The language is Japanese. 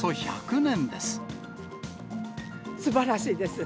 すばらしいです。